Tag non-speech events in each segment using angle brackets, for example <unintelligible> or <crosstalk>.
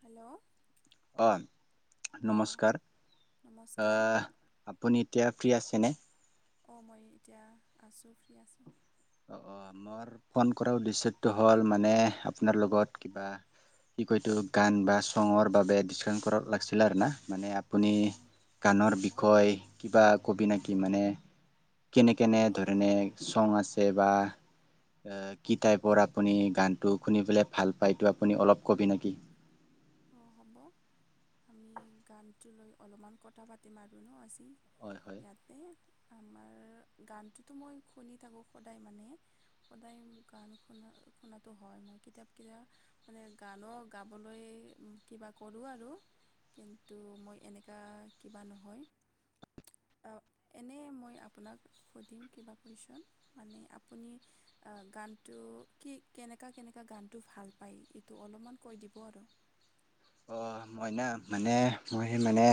Hello, অঁ অঁ নমস্কাৰ, নমস্কাৰ আপুনি এতিয়া ফ্ৰী আছেনে? অঁ মই এতিয়া আছোঁ, ফ্ৰী আছোঁ। অ' অ' মোৰ ফোন কৰাৰ উদ্দেশ্যটো হ'ল, মানে আপোনাৰ লগত কিবা কি কয় এইটো, গান বা চঙৰ বাবে ডিচকাচন কৰা লাগিছিল আৰু না মানে আপুনি অঁ গানৰ হ'ব বিষয় কিবা কবি নেকি? মানে কেনে কেনে অঁ ধৰণে চং আছে বা, কি টাইপৰ আপুনি গানতটো শুনি পেলাই ভাল পায়, এইটো আপুনি অলপ কবি নেকি? অঁ হ'ব, আমি গানটো লৈ অলপমান কথা পাতিম আৰু ন আজি। হয় হয়। ইয়াতে আমাৰ গানটোতো মই শুনি থাকো সদায় মানে, সদায় গান শুনা শুনাতো হয়, মই কিতিয়াবা কিতিয়াবা, মানে গানো গাবলৈ কিবা কৰোঁ আৰু, কিন্তু মই এনেকুৱা কিবা নহয়। এনেই মই আপোনাক সুধিম কিবা কুৱেশ্যন, মানে আপুনি গানটো কি কেনেকুৱা কেনেকুৱা গানটো ভাল পায়, এইটো অলপমান কৈ দিব আৰু। অঁ মই না মানে মই মানে,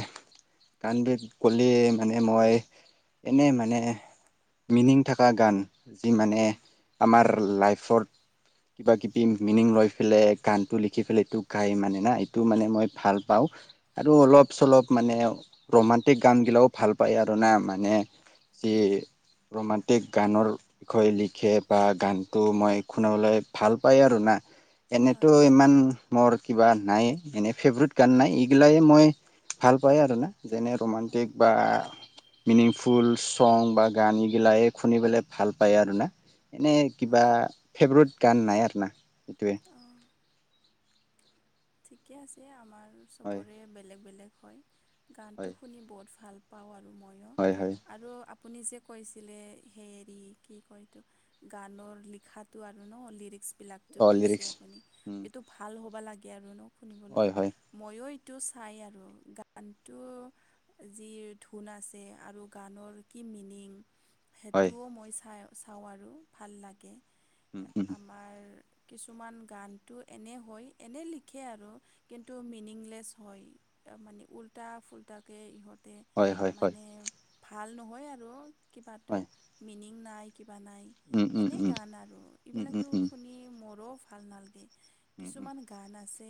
গানবিধ ক'লে মানে মই এনেই মানে মিনিং থকা গান। যি মানে অঁ আমাৰ লাইফৰ কিবা কিবি মিনিং লৈ পেলই গানটো লিখি পেলাই এইটো গাই মানে না। টোক মানে মই ভাল পাওঁ। আৰু অলপ চলপ মানে ৰোমাণ্টিক গান বিলাকো ভাল পায় আৰু না। মানে যি ৰোমাণ্টিক গানৰ বিষয় লিখে বা গানটো মই শুনাবলৈ ভাল পায় আৰু না। এনেতো হয় ইমান মোৰ কিবা নাই। এনেই ফেভৰেট গান নাই, এইগিলাই মই ভাল পাই আৰু না। যেনে অঁ ৰোমাণ্টিক বা মিনিংফুল ছং বা গান, গিলাই শুনিবলৈ ভাল পায় আৰু না। এনেই কিবা অঁ ফেভৰেট গান নাই আৰু না এইটোৱে। অঁ ঠিকে আছে, আমাৰ হয় চবৰে বেলেগ বেলেগ হয়, হয়। গানটো শুনি বহুত ভাল পাওঁ আৰু ময়ো। হয় হয়। আৰু আপুনি যে কৈছিলে, হেৰি কি কয় এইটো গানৰ লিখাটো আৰু ন, লিৰিক্সবিলাক টো অ কৈছে লিৰিক্স আপুনি, উম এইটো ভাল হ'বা লাগে আৰু ন শুনিবলৈ হয় হয় ময়ো এইটো চাই আৰু, গানটো যি ধোন আছে আৰু গানৰ কি মিনিং। হয় সেইটোও মই চাই চাওঁ আৰু ভাল লাগে, উম উম আমাৰ কিছুমান গানটো এনেই হয়। এনেই লিখে আৰু কিন্তু মিনিংলেছ হয় মানে উল্টা ফুল্টা। ইহঁতে হয় হয় হয় মানে ভাল নহয় আৰু কিবাটো। হয় মিনিং নাই কিবা নাই উম উম এনেই উম গান আৰু উম উম এইবিলাকতো উম শুনি মোৰো ভাল নালাগে। উম উম কিছুমান গান আছে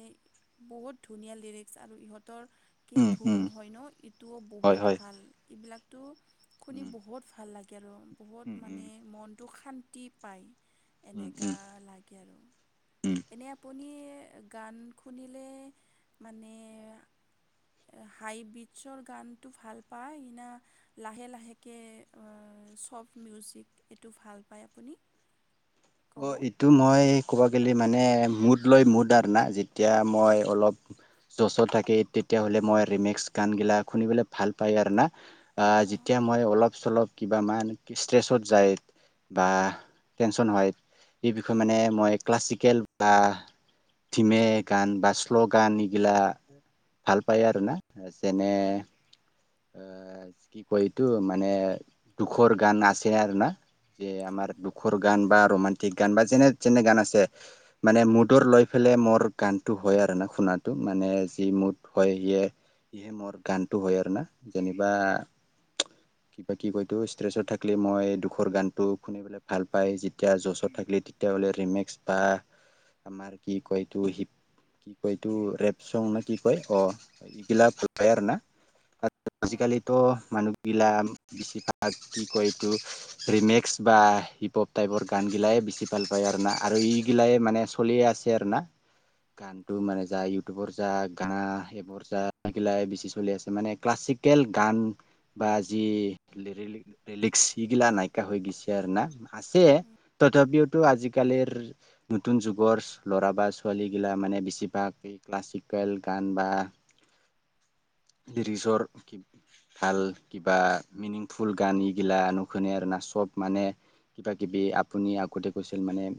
বহুত ধুনীয়া লিৰিক্স আৰু ইহঁতৰ। কি উম ধুণ উম হয় ন ইটোও হয় বহুত হয় ভাল এইবিলাকতো শুনি উম বহুত ভাল লাগে। কত উম উম মানে মনটো শান্তি পায়। উম উম এনেকা লাগে আৰু উম এনে আপুনি। গান শুনিলে মানে। হাই বিটছৰ গানটো ভাল পায় না লাহে লাহেকৈ ছফট মিউজিক এইটো ভাল পায় আপুনি ক'ব অঁ এইটো মই ক'ব গ'লে মানে মুদ লৈ মুদ আৰু না যেতিয়া মই অলপ। যচত থাকে তেতিয়াহ'লে মই ৰিমেক্স গান গিলা শুনিবলৈ ভাল পায় আৰু না অঁ যেতিয়া মই অলপ চলপ। কিবামান ষ্ট্ৰেছত যায় বা টেনশন হয়। এই বিষয়ে অঁ মানে মই ক্লাছিকেল বা থিমে গান বা শ্ল' গান এইগিলা ভাল পায় আৰু না যেনে। অঁ এ কি কয় এইটো মানে দুখৰ গান আছে আৰু না। যে অঁ আমাৰ দুখৰ গান বা ৰোমান্টিক গান বা যেনে যেনে গান আছে। মানে মুডৰ লৈ ফেলে মোৰ গানটো হয় আৰু ন শুনটো মানে যি মুড হয় সিয়ে সেয়ে মোৰ গানটো হয় আৰু না যেনিবা। কিবা কি কয়তো ষ্ট্ৰেছত থাকিলে মই দুখৰ গানটো শুনি পেলাই ভাল পায়। যেতিয়া জচত উম, থাকিলে তেতিয়াহ'লে ৰিমেক্স ৰ কি কয় এইটো। এইটো ৰেপ চং নে কি কয় অ এইগিলা ভাল হয় পাই আৰু না। অঁ আজিকালিতো মানুহবিলাক বেছিভাগ কি কয় এইটো। ৰিমেক্স বা হিপ হপ টাইপৰ গান গিলাই বেছি ভাল পায় আৰু না আৰু ইগিলাই মানে। চলিয়ে আছে আৰু না। গানটো মানে যা ইউটিউবৰ যা গান আহিব যাগিলাই বেছি চলি আছে মানে। ক্লাচিকেল গান বা যি ৰিলিক্স সি গিলা নাইকা হৈ গৈছে আৰু না। আছে উম, তথাপিওতো উম, আজিকালিৰ। নতুন যুগৰ ল'ৰা বা ছোৱালীগিলা মানে বেছিভাগ ক্লাছিকেল গান বা। পিছৰ <unintelligible> ভাল কিবা মিনিংফুল গানগিলা নুশুনে আৰু না চব মানে। কিবা কিবি আপুনি আগতে কৈছিল মানে।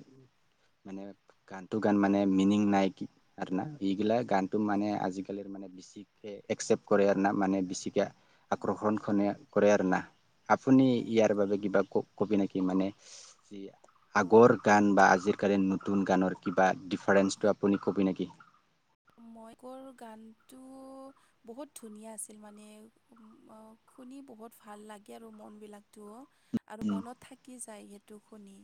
নে গানটো গান মানে মিনিং নাই কি আৰু না এইগিলাক গানটো মানে আজিকালিৰ মানে বেছিকৈ একচেপ্ট কৰে আৰু না মানে বেছিকৈ আক্ৰহণখনে কৰে আৰু না। আপুনি হয় ইয়াৰ এইটো বাবে কিবা ক কবি নেকি মানে যি। অঁ আগৰ গান বা আজিকালি নতুন গানৰ কিবা ডিফাৰেঞ্চটো আপুনি কবি নেকি? মই গানটো। বহুত ধুনীয়া আছিল মানে শুনি বহুত ভাল লাগে আৰু মনবিলাকতটো। আৰু মনত থাকি যায় সেইটো শুনি্।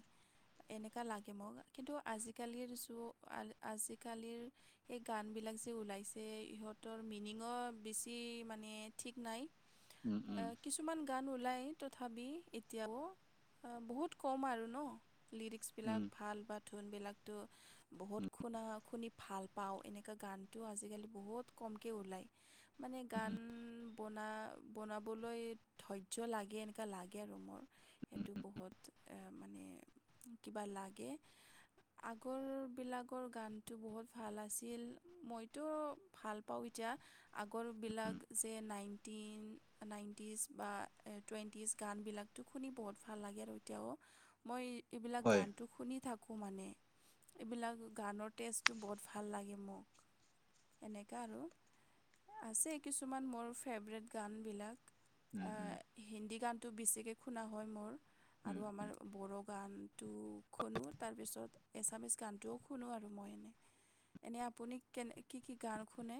এনেকা লাগে মোক কিন্তু আজিকালিৰ যোগত। আজিকালিৰ সেই গানবিলাক যে ওলাইছে ইহঁতৰ মিনিঙো বেছি মানে ঠিক নাই। উম উম কিছু। কিছুমান গান ওলাই তথাবি এতিয়াও আ বহুত কম আৰু ন লিৰিক্স বিলাক উম ভাল বা ধোনবিলাকটো বহুত উম খুনা খুনি ভাল পাওঁ এনেকুৱা গানটো আজিকালি বহুত কমকে ওলায়। মানে গান, বনা বনাবলৈ ধৈৰ্য্য লাগে, এনেকুৱা লাগে আৰু মোৰ। সেইটো বহুত এ, মানে কিবা লাগে। আগৰবিলাগৰ গানটো বহুত ভাল আছিল, মইতো ভাল পাওঁ এতিয়া। আগৰবিলাক যে, নাইনটিন, নাইনটিজ বা টুৱেণ্টিজ গানবিলাক। টো শুনি বহুত ভাল লাগে আৰু এতিয়াও। মই এইবিলাক হয় গানটো শুনি থাকো মানে এইবিলাক গানৰ টেষ্টটো বত ভাল লাগে মোক। এনেকুৱা আৰু আছেই কিছুমান মোৰ ফেভৰেট গানবিলাক। উম, উম। আহ, হিন্দী গানটো বেছিকৈ শুনা হয় মোৰ। উম আৰু উম আমাৰ বড়ো গানটো শুনো তাৰপিছত এছামিছ গানটোও শুনো আৰু মই এনে। এনে আপুনি কেনে কি কি গান শুনে?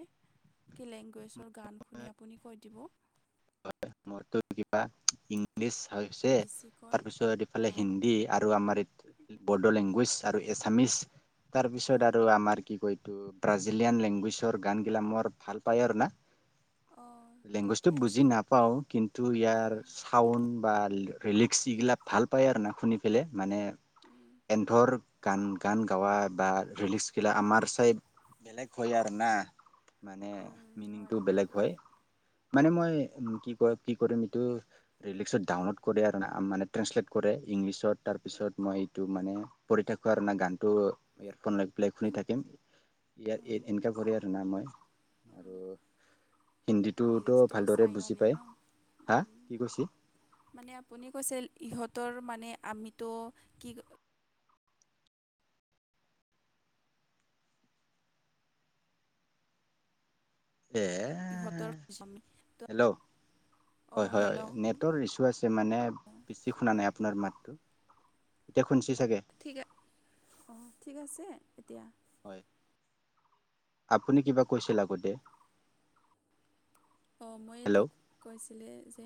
কি লেংগুৱেজৰ গান শুনি আপুনি কৈ দিবো? মই ত কিবা ইং লিছ হৈছে বেছিকৈ তাৰ পিছত ইফালে অঁ হিন্দী আৰু আমাৰ ইত বড লেংগুৱেজ আৰু এছামিছ তাৰ পিছত অঁ আৰু আমাৰ কি কয় এইটো ব্ৰাজিলিয়ান লেংগুৱেজৰ গানগিলা মোৰ ভাল পায় আৰু না? অঁ লেংগুৱেজটো ঠিকে বুজি আছে নাপ পাওঁ কিন্তু ইয়াৰ অঁ চাউণ্ড বা ৰিলিক্স এইগিলাক ভাল পায় আৰু না শুনি কেলে মানে উম, এন্ধৰ গান, গান, গাৱা বা ৰিলিক্স খিলা আমাৰ চাই বেলেগ হয় আৰু না। মানে উম, হয় মিনিংটো এইটো বেলেগ হয় মানে মই কি, কয় কি কৰিম এইটো ৰিলিক্সত ডাউনলোড কৰে আৰু মানে ট্ৰেঞ্চলেট কৰে, ইংলিছত তাৰপিছত মই এইটো মানে পঢ়ি থাকো আৰু না গানটো ইয়েৰফোন লৈ পেলাই শুনি থাকিম। ইয়াত এই অঁ এনেকা কৰি আৰু না মই অঁ আৰু হিন্দীটোতো লিৰিক্সটোও ভালদৰে চাই বুজ জি মানে পাই, ন হা উম কি কৈছি? মানে আপুনি কৈছে, ইহঁতৰ মানে আমিতো কি এ ইহঁতৰ <unintelligible> হেল্ল' অ হেল্ল'? তৰ ইছ্যু আছে মানে অঁ বেছি শুনা নাই আপোনাৰ মাতটো, এতিয়া শুনচি চাগে? ঠিকে, অ ঠিক আছে এতিয়া? হয়, আপুনি কিবা কৈছিল আগতে? অ মই হেল্ল' এইটোক কৈছিলে যে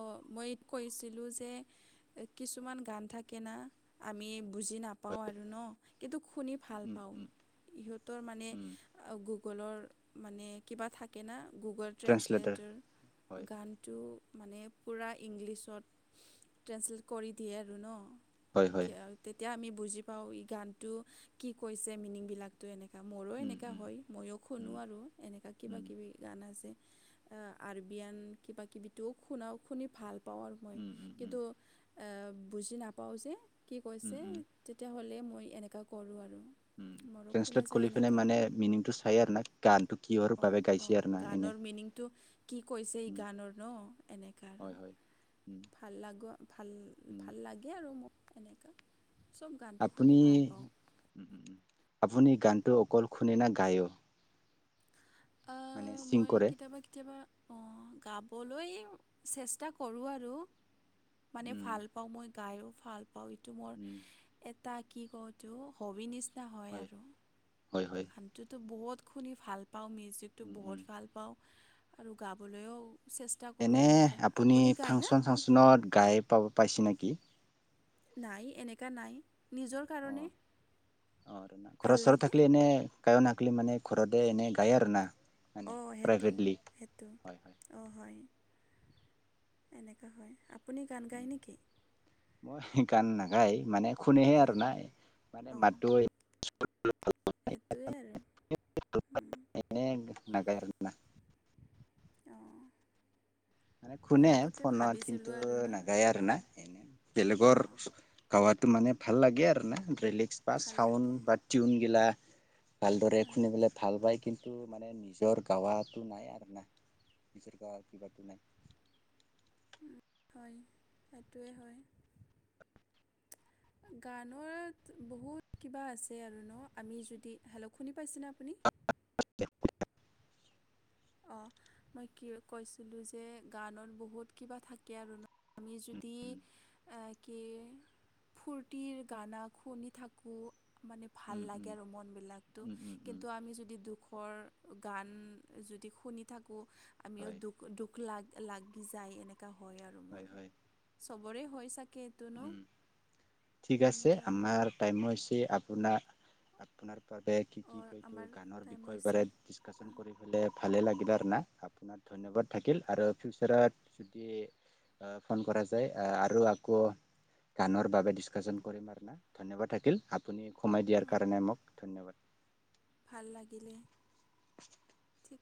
অ মই এইটো কৈছিলো যে কিছুমান গান থাকে না আমি বুজি নাপাওঁ হয় আৰু ন, কিন্তু শুনি ভাল উম পাওঁ। উম ইহঁতৰ মানে উম গুগলৰ মানে কিবা থাকে না গুগল ট্ৰেঞ্চলেটাৰ হয় ট্ৰেঞ্চলেটৰ গানটো মানে পূৰা ইংলিছত ট্ৰেঞ্চলেট কৰি দিয়ে আৰু ন হয় হয় <unintelligible> তেতিয়া আমি বুজি পাওঁ, এই গানটো কি কৈছে মিনিংবিলাক। তো এনেকুৱা মোৰো উম এনেকুৱা উম হয়, ময়ো উম। শুনো আৰু এনেকুৱা কিবা কিবি গান আছে। আৰবিয়ান কিবা কিবি শুনাও শুনি ভাল পাওঁ আৰু মই কিন্তু, এ বুজি নাপাওঁ যে কি কৈছে ট্ৰেঞ্চলেট তেতিয়াহ'লে মই এনেকুৱা কৰোঁ আৰু মোৰো শুনা যায় এনেকুৱা। মিনিংতটো চাই আৰু না গান টো কি হয়। অ অ গানৰ মিনিংটো কি কৈছে এই উম, গানৰ ন এনেকা, হয় হয় উম, ভাল লাগ ভাল উম। ভাল লাগে আৰু মোক এনেকা। চব গানটো শুনি আপুনি ভাল পাওঁ আপুনি গানটো অকল শুনে না গায়ো। আ মানে চিং মই কৰে কেতিয়াবা কেতিয়াবা অ গাবলৈ চেষ্টা কৰোঁ আৰু মানে উম, ভাল পাওঁ মই। গায়ো ভাল পাওঁ এইটো মোৰ উম, এটা কি কওঁ এইটো হবি নিচিনা হয় আৰু হয় হয়। যোটো বহুত শুনি ভাল পাওঁ মিউজিকটো বহুত উম। ভাল পাওঁ। আৰু গাবলৈও চেচ এনে আপুনি ফাংচন চাংচনত গাই পাব পাইছে নেকি। নাই এনেকা নাই নিজৰ কাৰণে ঘৰৰ ভাল ওচৰত লাগে থাকিলে এনে কায়ন আকলি মানে ঘৰতে এনে গায় আৰু না মানে প্ৰাইভেটলি হয় হয়। অ হয় এনেকা হয় আপুনি গান গায় নেকি। মই গান নাগায় মানে শুনেহে আৰু অঁ নাই মানে অঁ মাতোই সেইটোৱে আৰু উম। এনে নাগায়। না অ, শুনে ফোনত কিন্তু ভাবিছিলোঁ আৰু ন নাগায় আৰু না অঁ এনে বেলেগৰ অঁ গাৱাটো মানে ভাল লাগে আৰু না ৰেলিক্স বা ভাল লাগে চাউণ্ড বা টিউনগিলা। ভালদৰে অঁ শুনে পেলে ভাল পাই কিন্তু মানে নিজৰ গাৱাটো নাই আৰু না নিজৰ গাৱা কিবাটো নাই। হয় সেইটোৱে হয়। গানত বহুত কিবা আছে আৰু ন আমি যদি হেলো শুনি পাইছেনে আপুনি। <unintelligible> অ মই কিয় কৈছিলোঁ যে গানত বহুত কিবা থাকে আৰু ন। আমি যদি আ কি ফূৰ্তিৰ গানা খুনি থাকো মানে ভাল উম উম লাগে আৰু মনবিলাকটো উম উম উম কিন্তু আমি যদি দুখৰ গান য দি শুনি থাকোঁ আমিও হয় দুখ দুখ লাগ লাগি যায় এনেক কা হয় আৰু মোৰ চবৰে হয় চাগে। ন উম ঠিক আছে এনেকা আৰু আমাৰ। টাইম হৈছে আপোনাৰ আপোনাৰ বাবে কি কি অঁ আমাৰ টাইম হৈছে <unintelligible> <unintelligible> ভালে লাগি <unintelligible> ধন্যবাদ থাকিল আৰু ফিউচাৰত যদি আ ফন কৰা যায় আ আৰু আকৌ, গানৰ বাবে ডিছকাশচন কৰিম আৰু ধন্যবাদ থাকিল আপুনি সমই দিয়াৰ অঁ কাৰণে মোক ধন্যবাদ। ভাল লাগিলে। <inaudible> ঠিক